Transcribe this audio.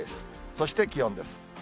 そして気温です。